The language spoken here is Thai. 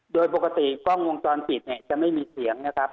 โดยปกติกล้องวงจรปิดเนี่ยจะไม่มีเสียงนะครับ